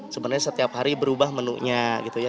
sebenarnya setiap hari berubah menunya gitu ya